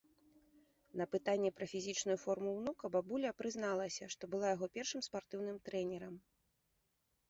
На пытанне пра фізічную форму ўнука бабуля прызналася, што была яго першым спартыўным трэнерам.